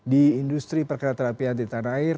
di industri perkereta api antirintang air